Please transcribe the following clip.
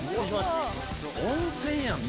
温泉やん！